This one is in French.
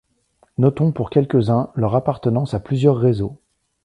Notons pour quelques-uns leur appartenance à plusieurs réseaux.